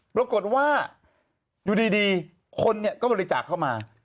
ปรากฏว่าอยู่ดีคนก็บริจาคเข้ามา